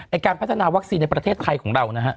การพัฒนาวัคซีนในประเทศไทยของเรานะฮะ